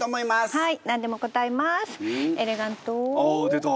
はい。